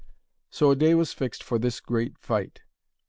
So a day was fixed for this great fight.